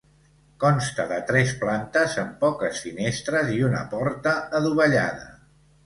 Consta de tres plantes amb poques finestres i una porta adovellada.